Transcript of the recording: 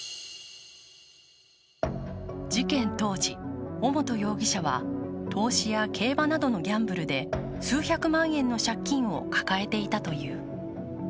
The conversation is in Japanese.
事件当時、尾本容疑者は投資や競馬などのギャンブルで数百万円の借金を抱えていたという。